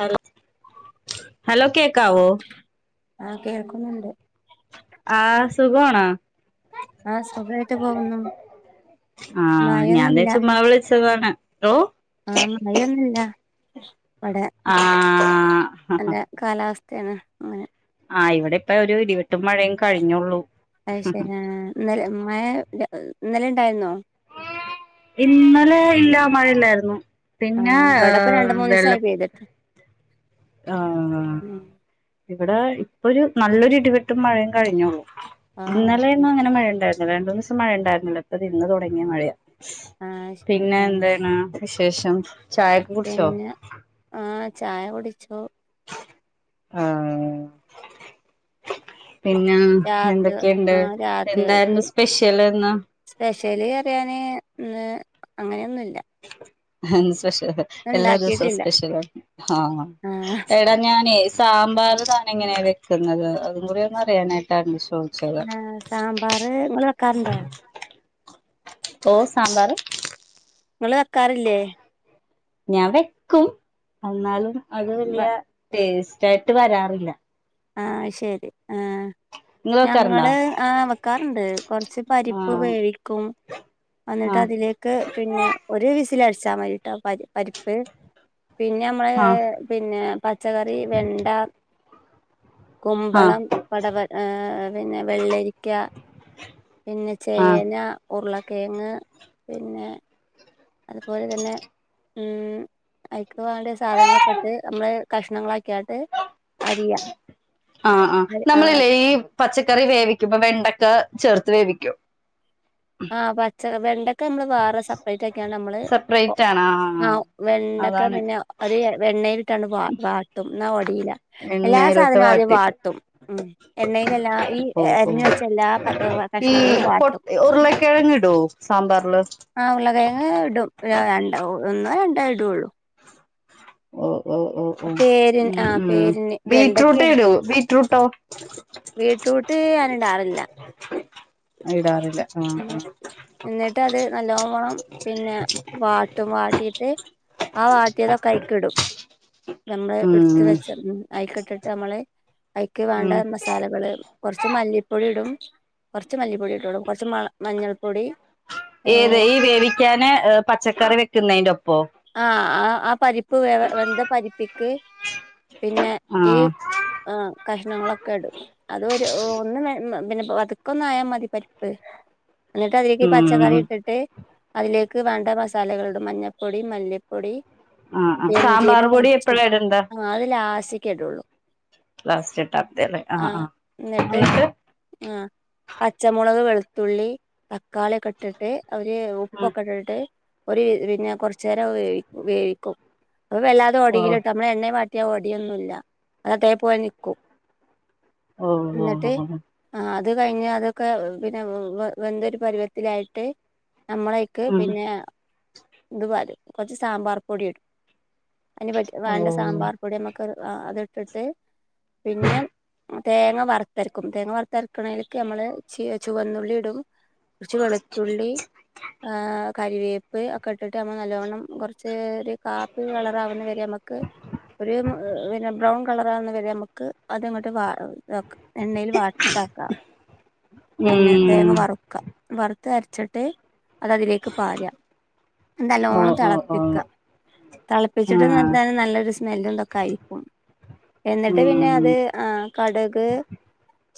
Hello hello കേക്കാവോ ആഹ് കേൾക്കുന്നുണ്ട് ആഹ് സുഖണൊ ആഹ് സുഖായിട്ട് പോവുന്നു ആഹ് ഞാൻന്തെ ചുമ്മ വിളിച്ചതാണ് ന്തോ ആഹ് മയ്യൊന്നുല്ല നല്ല ആഹ് കാലാവസ്ഥയാണ് അങ്ങനെ ആഹ ഇവിടെ ഇപ്പൊ ഒരു ഇടിവെട്ടും മഴയും കഴിഞ്ഞുള്ളൂ അത്ശരി ആഹ ഇന്നലെ മഴ ഇന്നലെ ണ്ടായിരുന്നോ ഇന്നലെ ഇല്ല മഴയില്ലായിരുന്നു പിന്നെ ആഹ് ഇവിടെപ്പ രണ്ട് മൂന്ന് വെള്ളം ദിവസായി പെയ്തിട്ട് ആഹ ഉം ഇവിടെ ഇപ്പൊരു നല്ലൊരു ഇടിവെട്ടും മഴയും കഴിഞ്ഞുള്ളൂ ആഹ് ഓക്കെ ഇന്നലെന്നും അങ്ങനെ മഴയുണ്ടായിരുന്നില്ല രണ്ടുമൂന്നീസം മഴ ണ്ടായിരുന്നില്ല ഇപ്പതേ ഇന്ന് തുടങ്ങിയ മഴയാ. ആഹ് ശരി പിന്നെ ആഹ് എന്തണ് വിശേഷം? പിന്നെ ആഹ് ചായ കുടിച്ചു. ആഹ് പിന്നെ രാത്രി എന്തൊക്കെയിണ്ട് ആഹ് രാത്രികക്ക് എന്തായിരുന്നു സ്പെഷ്യൽ ന്ന്? സ്പെഷ്യല് പറ്യാന് ഇന്ന് അങ്ങനെയൊന്നുല്ല ഹൻസ്പെഷ്യൽ ഇന്ന് എല്ലാ ദിവസവും ഇണ്ടാക്കിട്ടില്ല സ്പെഷലാണ് ആഹ് ആഹ് എടാ ഞാനേ സാമ്പാർ താനെങ്ങനെയാ വെക്ക്ന്നത് അതും കൂടി ഒന്ന് അറിയാനായിട്ടായിരുന്നു ചോയ്ച്ച ആഹ് സാമ്പാർ ഇങ്ങൾ വെക്കാറുണ്ടോ? ഓഹ് സാമ്പാർ ഇങ്ങള് വെക്കാറില്ലേ? ഞാൻ വെക്കും അന്നാലും അത് വലിയ ടേസ്റ്റ് ആയിട്ട് വരാറില്ല. ആഹ് ശരി ആഹ് നിങ്ങൾ വെക്കാറുണ്ടോ ഞങ്ങള് ആഹ് വെക്കാറുണ്ട് കൊറച്ച് പരിപ്പ് ആഹ് വേവിക്കും അന്നിട്ട് ആഹ് അതിലേ ക്ക് പിന്നെ ഒരു വിസിലടിച്ചാ മതിട്ടോ പരി പരിപ്പ് പിന്നെമ്മള് ആഹ് ഹ് പിന്നെ പച്ചക്കറി വെണ്ട ആഹ് കുമ്പളം പടവ ഏഹ് പിന്നെ വെള്ളരിക്ക പിന്നെ ആഹ് ചേന ഉരുളക്കേങ്ങ് പിന്നെ അതുപോലെ തന്നെ ഉം അയിക്ക് വാണ്ട്യ സാധനങ്ങളൊക്കെ ഇട്ട് നമ്മള് കഷ്ണങ്ങളാക്ക്യാട്ട് അരിയാ. ആഹ് ആഹ്. നമ്മളില്ലേ ഈ പച്ചക്കറി വേവിക്കുമ്പോ വെണ്ടക്ക ചേർത്ത് വേവിക്കോ? ആഹ് പച്ചക് വെണ്ടക് ക്ക നമ്മള് വേറെ സെപ്പറേറ്റ് ആക്കിയാണ്ട് നമ്മള് ഒ സെപ്പറേറ്റ് ആണ് ആ ആഹ് വെണ്ടക്ക അതാണ് പിന്നെ ഒര് എണ്ണയിലിട്ടാണ്ട് വാ വാട്ടും ഇന്നാ ഒടീല്ല. എല്ലാ എണ്ണയിലിട്ട് സാധനും ആദ്യം വാട്ടിട്ട് വാട്ടും ഉം. എണ്ണയിലെല്ലാ ഈ ഓ അരിഞ്ഞ് വെച്ച എല്ലാ കഷ്ണങ്ങളും വാ പൊട്ട് ഉരുളക്കിഴങ്ങിടോ സാമ്പാർല്? ആഹ് ഉരുളകിഴങ്ങ് ഇടും ര രണ്ടോ ഒന്നോ രണ്ടോ ഇടൊള്ളൂ. ഓഹ് ഓഹ് ഓഹ് ഓഹ് പേരിന് ആ ഉം ഉം പേരിന് ബീറ്റ്റൂട്ട് വെണ്ടക്ക ഇടോ, ബീറ്റ്റൂട്ടോ? ബീറ്റ്റൂട്ട് ഞാന് ഇടാറില്ല ഇടാറില്ല ആഹ് ആഹ് എന്നിട്ടത് നല്ലോണം പിന്നെ വാട്ടും. വാട്ടീട്ട് ആ വാട്ട്യതൊക്കൈക്കിടും. നമ്മള് ഉം ഇട്ത്ത് വെച്ച ഉം ഐക് ഇട്ടിട്ട് നമ്മള് അയ്ക്ക് വേണ്ട ഉം മസ് സാലകള് കൊർച്ച് മല്ലിപ്പൊടി ടും. ച്ച് മല്ലിപ്പൊടി ഇടൊള്ളൂ കൊർച്ച് മൾ മഞ്ഞൾപ്പൊടി ഏത് ഏഹ് ഈ വേവിക്കാന് പച്ചക്കറി വെക്കുന്നയ്ൻ്റൊപ്പോ? ആഹ് ആ ആ പരിപ്പ് വേവ വെന്ത പരിപ്പിക്ക് പിന്നെ ആ ഈ ആഹ് കഷ്ണങ്ങളൊക്കെടും അത് ഒര് ഒന്ന് വെ പിന്നെ വ പത് ക്കൊന്നായാ മതി പരിപ്പ്, എന്നിട്ട് അതിലേക്ക് ഉം പച്ചക്കറി ഇട്ടിട്ട് അതിലേക്ക് വേണ്ട മസാലകൾ ഇടും മഞ്ഞപ്പൊടി മല്ലിപ്പൊടി ആഹ് ആഹ്. സാമ്പാർ പൊടി എപ്പഴാ ഇടണ്ടെ? ആ അഹ് ലാസ്റ്റിക്കെ ഇടൊള്ളു. ലാസ്റ്റ് ഇട്ടാ മതി അല്ലേ ആഹ് ആഹ് എന്നിട്ട് ആഹ് പച്ചമൊളക് വെളുത്തുള്ളി തക്കാളി ഒക്കെ ഇട്ട് അവര് ഉം ഉപ്പൊക്കെ ഇട്ടിട്ട് ഒര് പിന്നെ കൊർചേരം വേവി വേവിക്കും. അപ്പൊ വല്ലാതെ ഓ ഒടീയിലട്ടൊ നമ്മ എണ്ണേ മാറ്റിയാ ഒടിയൊന്നുംല്ല അത് അതേ പോലെ നിക്കും. ഓ ന്ന്ട്ട് ഓ ആഹ് അത് കഴിഞ്ഞ് അതൊക്കെ പിന്നെ വേ വെന്തൊരു പരുവത്തിലായിട്ട് നമ്മളെയ് ക്ക് ഉം പിന്നെ ഇതുപല കൊർച്ച് സാമ്പാർ പൊടി ഇടും അതിന് പറ്റി ഓ വേണ്ട സാമ്പാർ പൊടി നമ്മക്ക് അത് ആഹ് അത് ഇട്ടിട്ട് പിന്നെ തേങ്ങ വറ രക്കും തേങ്ങ വറുത്തര്ക്കണേൽക്ക് ഞമ്മള് ച്ച് ചുവന്നുള്ളി ഇടും. ച്ച് വെളുത്തുള്ളി ആഹ് കറിവേപ്പ് ഇട്ടിട്ട് നമ്മൾ നല്ലവണ്ണം കൊർച്ച് ഒരു കാപ്പി കളർ ആവുന്ന വരെ നമ്മക്ക് ഒരു പിന്നെ ബ്രൗൺ കളർ ആവുന്ന വരെ നമ്മക്ക് അത് അങ്ങോട്ട് വാ ഇതാക്ക് എണ്ണയിൽ വ താക്കാ പിന്നെ ഉം തേങ്ങ വറു വർത്ത് അരച്ചിട്ട് അത് അതിലേക്ക് പാര്ആ. ഓ ന്നല്ലോണം ഓ ഓ തെളപ്പിക്കാ തെളപ്പിച്ചിട്ട് ആഹ് നല്ലൊരു സ്മെല്ലന്തൊക്കെ ആയിരിക്കും എന്നിട്ട് പിന്നെ ഉം അത് ആഹ് കടുക്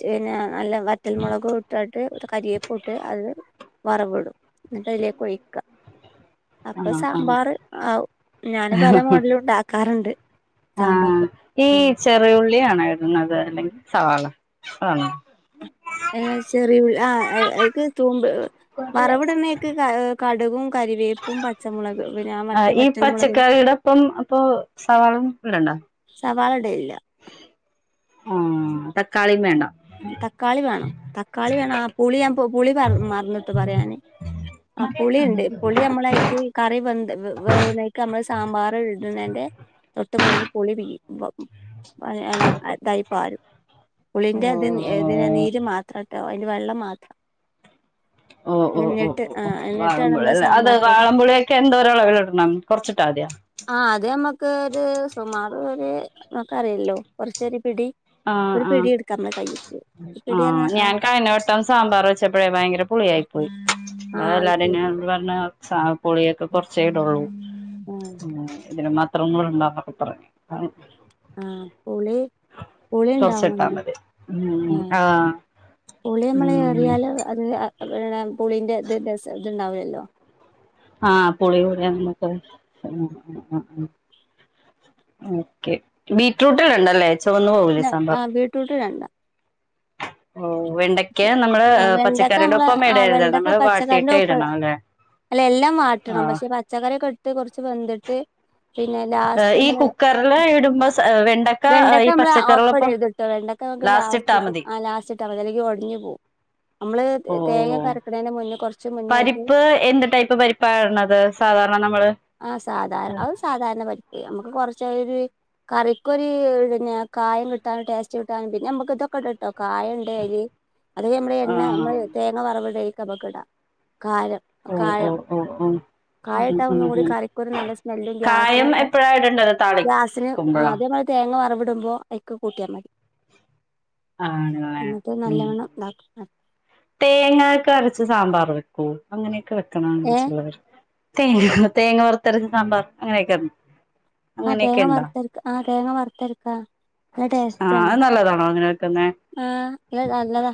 പിന്നെ നല്ല വറ്റൽമൊളകും ഇട്ടാട്ട് കരിയെപ്പു ഇട്ട് അത് വറവ്ടും എന്നിട്ട് അയിലേക്ക് ഒഴിക്ക. അപ്പൊ ആഹ് ആഹ് സാമ്പാറ് ആവും ഞാന് പല മോഡലും ഉണ്ടാക്കാറ്ണ്ട്. ആഹ് ഈ ചെറിയുള്ളിയാണ് ഇടുന്നത് അല്ലെങ്കി സവാള ഏ ചെറിയു ആഹ് അയ്ക്ക് തുമ്പ് വറവ്ട്നീക്ക് ആ കട്കും കരിവേപ്പും പച്ചമുളക് പിന്നെ ആ ആഹ് മറ്റേ ഈ വറ്റൽമൊളക് ഇടും. പച്ചക്കറിയുടെ ഒപ്പം അപ്പൊ സവാള ഇടണ്ടോ സവാള ഇടലില്ല. ആഹ് തക്കാളീം വേണ്ട. തക്കാളീം വേണം തക്കാളി വേണം ആ പുളി ഞാൻ പുളി പറ മറന്നിട്ട് പറയാന്. ആ പുളിയിണ്ട് പുളി നമ്മളൈക്ക് കറി വെന്ത് വേ വേവ്നെയ്ക്ക് നമ്മള് സാമ്പാറ് ഇട്നേൻന്റെ തൊട്ട് മഞ്ഞ് പുളി പീയും അല്ല അതായി പാരും ഓ പുളിന്റെ ഏ തിന് നീര് മാത്രം തട്ടോ അയ്ന്റെ വെള്ളം മാത്രം ഓ ഓ ഓ എന്നിട്ട് ആ ഓ. എന്നിട്ടാണ് നമ്മള് വാളംപുളില്ല അത് സാമ്പാർ പൊടി വാളബുളീക്ക് എന്തോരളവില് ഇടണം കൊർച്ചിട്ടാ മതിയൊ? ആഹ് അത് ഞമ്മക്ക് ഒരു സുമാറ് ഒര് ക്കറിയല്ലോ കൊർച്ചൊ ഒരു പിടി ആഹ് ഒരു ആഹ് പിടിയെടുക്ക്‌ മ്മള കൈയ്യും. ആഹ് ഞാൻ കഴിഞ്ഞവട്ടം സാമ്പാറ് വെച്ചപ്പോഴേ ഭയങ്കര പുളിയായി പോയി. ആ അത് എല്ലാരും ശരി ഞാൻ പർഞ് പുളിയൊക്കെ കൊർച്ചേ ഇടള്ളൂ. ആ ഉം ഇതിന് മാത്രം ഒന്നും ഇടണ്ട [unintelligible] [unintelligible] ആ പുളി പുളി കൊർച് ഇട്ടാ ഉണ്ടാവുന്നുണ്ട് മതി ഉം ആഹ്. പുളിയമ്മളെ ഉം അറിയാലൊ അത് അത് പുളിന്റെ ത് രസാ ഇത് ണ്ടാവില്ലല്ലോ. ആഹ് പുളി കൂടിയാ നമ്മക്ക അത് ഓക്കെ ബീറ്റ്റൂട്ട് ഇടണ്ടല്ലേ ചുവന്നു പോകൂലെ സമ്പാർ. ബീറ്റ്റൂട്ട് ഇടണ്ട. ഓ വെണ്ടയ്ക്ക് നമ്മള് ആഹ് വെണ്ടക്ക പച്ചക്കറിയുടെ നമ്മളെ ഒപ്പം ആഹ് ഇടരുത് വെണ്ടക്ക നമ്മള് പച്ചക്കറിൻന്റെ വാട്ടിയിട്ടേ ഒപ്പ ഇടണം അല്ലെ അല്ലേ എല്ലാം വാട്ടണം ആഹ് പക്ഷെ പച്ചക്കറിയൊക്കെ ഇട്ട് കൊർച്ച് വെന്ത്‌ട്ട് പിന്നെ ലാസ്റ്റ് ഈ ഞമ്മള് കുക്കറില് ഇടുമ്പോ വെണ്ടക്ക ഈ ഞമ്മള് ഒപ്പ പച്ചക്കറികളൊപ്പം ഇടരുത് വെണ്ടക്ക നമ്മുക്ക് ഇട്ടാ ലാസ്റ്റ് മതി ലാസ്റ്റ് ഇട്ടാ മതി അല്ലങ്കിൽ ഒട കുഞ്ഞു പോ നമ്മള് ഓ തേങ്ങ ഓ ഒക്കെ അരക്കുന്നതിന് മുന്നേ കൊറച്ച് മുന്നായിട്ട് പരിപ്പ് എന്ത് ടൈപ്പ് പരിപ്പാ ഇടണത് സാധാരണ നമ്മൾ ആ സാധാര അത് സാധാരണ പരിപ്പ് നമുക്ക് കുറച്ച ഒരു കറിക്കൊ ഒരു കായം കിട്ടാനും ടേസ്റ്റ് കിട്ടാനും പിന്നെ നമ്മക്ക് ഇതൊക്കെ ഇ ഇണ്ട്ട്ടോ കായംണ്ട് അയ്ല് അതൊെ നമ്മളെ എണ്ണ ആഹ് നമ്മള് തേങ്ങ വറവ്‌ട്‌ണീക്ക്ഞമ്മക്ക് ഇടാ. കാരം ഓ ഓ കായം ഓ ഓ ഉം കായട്ടാ ഉം ഒന്നുകൂടി ഉം കറിക്കൊരു നല്ല സ്മെല്ലും കായം ഗ്യാസിനൊക്കെ എപ്പഴാ ഇടണ്ടത് ഗ്യാസിന് താളിക്കുമ്പഴോ അതേ മാ തേങ്ങ വറവിടുമ്പോഐക്ക് കൂട്ടിയാ മതി ആണല്ലേ എന്നിട്ട് നല്ലവണ്ണം ഇതാക്ക തേങ്ങൊക്കെ വരച്ച് സാമ്പാർ വെക്ക അങ്ങനെയൊക്കെ ഏഹ് വെക്കണംച്ചിലർ - തേങ്ങ തേങ്ങ വറത്തെരച്ച സാമ്പാർ അങ്ങനെയൊക്കെരുന്നു ആഹ് തേങ്ങ വറുത്തര ആഹ തേങ്ങ വറുത്തെരക്കാ നല്ല ടേസ്റ്റ് ആഹ് ആണ്. അത് നല്ലതാണോ അങ്ങനെ വെക്കുന്നെ ആ് അ നല്ലതാ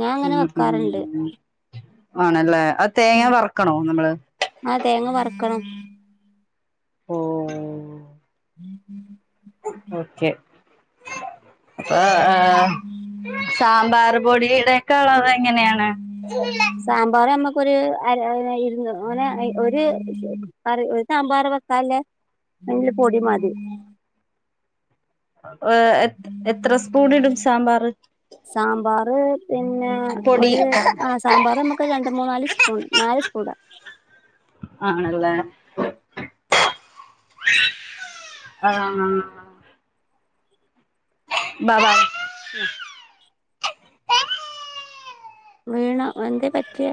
ഞാൻ അങ്ങനെ ഉം വെക്കാറുണ്ട് ഉം ആണല്ലേ ആ തേങ്ങ വറക്കണോ നമ്മള് ആ തേങ്ങ വറക്കണം ഓ ഉം ഉം ഓക്കെ അപ്പ സാമ്പാർ പൊടി ടെക്കെ അളവെ എങ്ങനെയാണ് സാമ്പാർ നമ്മക്കൊരു ഇരുന്ന് അങ്ങനെ ഒരു സാമ്പാർ ട്ടാലെഅയ്ന് പൊടി മതി - ഏ എ എത്ര സ്പൂൺ ഇടും സാമ്പാറ് സാമ്പാറ് പിന്നെ ആ പൊടി ഒരു ആ സാമ്പാർ നമക്ക് രണ്ട് മൂന്ന നാല് സ്പൂൺ നാല് സ്പൂൺ ഡാ ആണല്ലേ ആഹ ബബ [inaudible] വീണോഎന്തെ പറ്റിയെ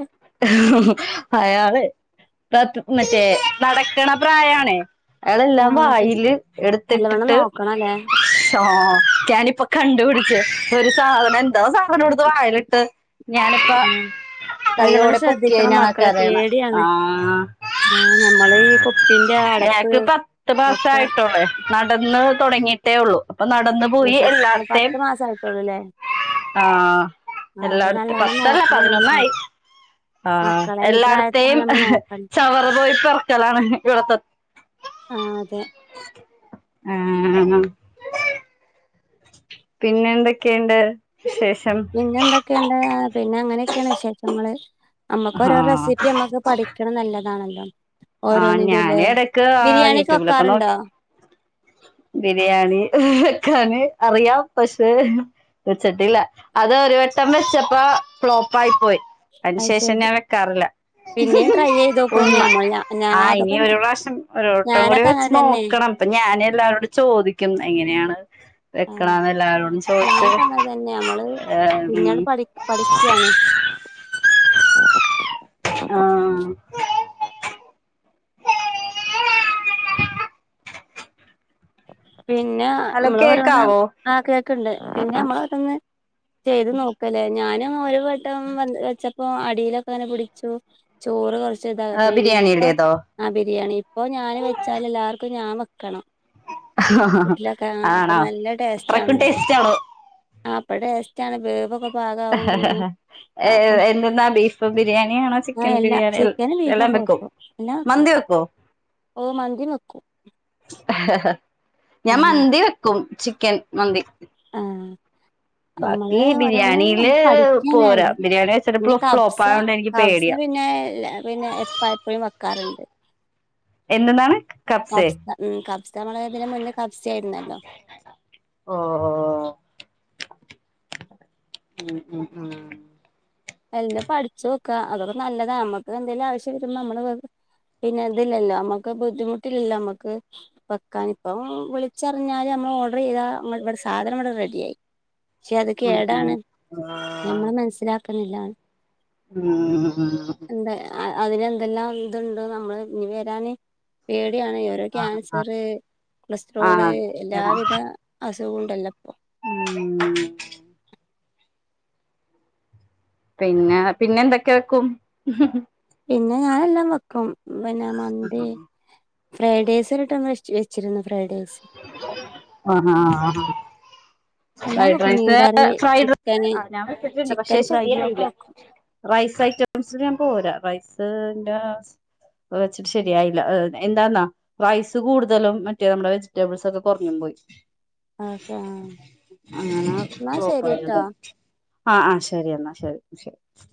അയാള് മറ്റേ നടക്കണ പ്രായണേ അയാളെല്ലാം ആഹ് ശരി വായില് നല്ലവണ്ണം എടുത്തിട്ടിട്ട് നോക്കണല്ലേ ആഹ ഞാനിപ്പൊ കണ്ടപിടിച് ഒരു സാധനം എന്തോസാധന എടുത്ത് വായലിട്ട് ഞാനിപ്പ നല്ലവണം കൈയോടെ ശ്രദ്ധിക്കണം പൊക്കിയതിനാണ് ആ മക്കളെ കരയണെ പേടിയാണ് ആഹ് ആ നമ്മള് ഈ കുപ്പിന്റെ അടപ്പ് ഞങ്ങക്ക് പത്ത് ഒക്കെ മാസായിട്ടുള്ളേ നടന്ന് തെടങ്ങിയിട്ടേ ഉള്ളു അപ്പൊ നടന്ന് അയ്ശരി പത്ത് മാസം ആയിട്ടോള്ളൂല്ലേ ആഹ എല്ലായിടത്തും നല്ലോണം പത്തല്ല നോക്കണം നമ്മള് പതിനൊന്ന സ- ആയി ആഹ മക്കളെ ഈ പ്രായത്തിലാണ് എല്ലായിടത്തെയും നമ്മൾ നോക്കണ്ട ചവറ് പോയി പെർക്കലാണ് ഇവിടത്തെ ആ അതെ ആഹ പിന്നെ എന്തൊക്കെയുണ്ട് വിശേ പിന്നെ എന്തൊക്കെയുണ്ട് പിന്നെ അങ്ങനെയൊക്കെയാണ് വിശേഷങ്ങള് നമ്മക്ക് ആ ഓരോ റെസിപ്പി നമ്മക്ക് പഠിക്ക ക്കണ നല്ലതാണല്ലോ ആഹ് ഓരോന്നിന്റെല്ലേ ഞാനെടക്ക് ആ ബിരിയാണിക്കെ യൂട്യൂബിലൊക്കെ വെക്കാറുണ്ടോ നോക്കി ബിരിയാണി വെക്കാന് അറിയാം പക്ഷെ വെച്ചിട്ടില്ല അത് ഒരു വട്ടം വെച്ചപ്പോ ഫ്ലോപ്പായി പോയി അയ്ന് അത് ശേഷം ശരി ഞാൻ വെക്കാറില്ല പിന്നെയും ട്രൈ ചെയ്ത് ഉ നോക്കന്നെ നമ്മൾ [unintelligible] ഞാ ആ ഇനി അതൊക്കെ ഒരു ഞ- പ്രാവശ്യം ഒരു വട്ടം കൂടി ഞാനൊക്കെ വെച്ച് അങ്ങനെ തന്നെ നോക്കണം അപ്പൊ ഞൻ എല്ലാവരോടും ചോദിക്കും എങ്ങനെയാണ് ആ വെക്കണന്ന് എല്ലാവരോടും ചോദിച്ച ഞാനൊക്കെ അങ്ങനെ തന്നെ നമ്മള് ഏഹ് പിന്നീട് ഉം പഠി പഠിക്കയാണ് ആഹ് പിന്നെ ഹലോ മ്മള് ഓരോന്ന് കേക്കാവോ ആഹ് കേക്ക്ണ്ട്. പിന്നെ നമ്മള് അതൊന്ന് ചെയ്ത് നോക്കല്ലേ? ഞാന് ഒരു വ ട്ടം വ വെച്ചപ്പോ അടിയിലൊക്കെ അങ്ങനെ പിടിച്ചു ചോറ് കുറച്ച് ഇതാപ്പ ഇപ്പ ബിരിയാണിയുടേതോ ആ ബിരിയാണി. ഇപ്പോ ഞാന് വെച്ചാല് എല്ലാവർക്കും ഞാൻ വെക്കണം. വീട്ടിലൊക്കെ ആ [unintelligible] അപ്പൊ ആണോ, നല്ല അത്രയ്ക്കും ടേസ്റ്റ് ആണോ? ആഹ് ഇപ്പ ടേസ്റ്റാണ്. വേവൊക്കെ പാകാവും ചെയ്യും അപ്പൊ ഏഹ് എന്തെന്നാ ബീഫ് ബിരിയാണിയാണോ ആ ചിക്കൻ എല്ലാ ബിരിയാണി എ ചിക്കന് എല്ലാം ബീഫൊക്കെ വെക്കും. മന്തി വെക്കുവോ? ഓഹ് മന്തിം വെക്കും. ഞാൻ ഉം മന്തി വെക്കും. ചിക്കൻ മന്തി. ആഹ് ബാക്കി നമ്മള് ഓരോന്ന് ബിരിയാണിയില് പോരാ പഠിക്കന്നേണ്ട്. ബിരിയാണി വെച്ചിട്ട് ഇപ്പോ പിന്നെ ഫ്ലോപ്പ് കബ്സ ആയോണ്ട് എനിക്ക് കബ്സ പേടിയാ പിന്നെ പിന്നെ എപ്പ എപ്പഴും വെക്കാറുണ്ട്. എന്തെന്നാണ്? കപ്സേ കബ്സ ഉം കബ്സ നമ്മള് ഇതിന് മുന്ന് കബ്സ ആയിരുന്നല്ലോ ഓഹോ ഉം ഉം ഉം എല്ലം പഠിച്ച് വെക്ക അതൊര് നല്ലതാ നമ്മക്ക് എന്തെലും ആവശ്യം വരുമ്പോ നമ്മള് പിന്നെ ഇതിലല്ലോ നമ്മക്ക് ബുദ്ധിമുട്ടില്ലല്ലോ നമ്മക്ക്. വെക്കാനിപ്പം വിളിച്ചറഞ്ഞാല് നമ്മൾ ഓർഡർ ചെയ്താ ഇവിടെ സാധനം ഇവിടെ റെഡിയായി. പക്ഷെ അത് ഉം ഉം കേടാണ്. ആഹ് നമ്മൾ മനസ്സിലാക്ക്ണില്ലാ ഉം ഉണ്ട്. അ അതിനെന്തെല്ലാം ഇതുണ്ട് നമ്മള് ഇനി വരാന് പേടിയാണ്. ക്യാൻസറ്, കൊളസ്ട്രോള് ആഹ് എല്ലാവിധ അസുഖവും ഉണ്ടല്ലോ പ്പോ ഉം പിന്നെ പിന്നെ എന്തൊക്കെ വെക്കും? പിന്നെ ഞാനെല്ലാം വെക്കും. പിന്നെ മന്തി ഫ്രൈഡ്റൈസ് ഒരട്ടം വെച്ച് വെച്ചിരുന്നു ഫ്രൈഡേയ്സ് ആഹ് എല്ലാം ഫ്രൈഡ് വെക്കും റൈസ് മീൻകറി ഫ്രൈഡ് റൈസ് ചിക്കന് ആ ഞാൻ വെച്ചിട്ടുണ്ട്. പക്ഷേ ചിക്കൻ ഫ്രൈ ഒക്കെ ശരിയായില്ല വെക്കും റൈസ് ഐറ്റംസ്‌ല് ഞാൻ പോരാ റൈസ്ൻ്റെ വെച്ചിട്ട് ശരിയായില്ല. എന്താന്നോ റൈസ് കൂടുതലും മറ്റേ നമ്മടെ ചി റ്റബിൾസ് ഒക്കെ കുറഞ്ഞും പോയി. അതൊക്കെ ആ അങ്ങനെ എന്നാ ശരിട്ടോ പ്ലോപ്പായത്. ആഹ് ആഹ് ശരി എന്നാ ശരി ശരി ശരി